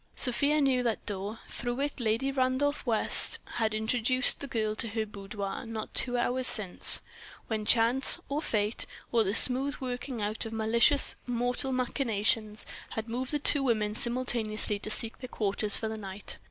Sofia knew that door; through it Lady Randolph West herself had introduced the girl to her boudoir, not two hours since, when chance, or Fate, or the smooth working out of malicious mortal machinations had moved the two women simultaneously to seek their quarters for the night.